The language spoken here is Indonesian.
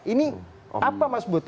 ini apa mas bud